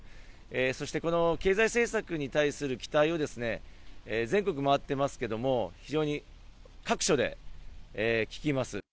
そしてこの経済政策に対する期待をですね、全国回ってますけども、非常に各所で聞きます。